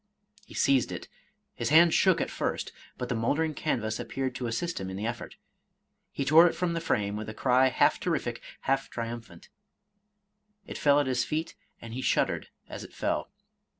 He seized it; — his hand shook at first, but the mol dering canvas appeared to assist him in the effort. He tore it from the frame with a cry half terrific, half triumphant, — it fell at his feet, and he shuddered as it fell.